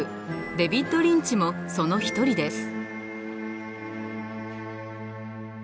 デヴィッド・リンチもその一人です。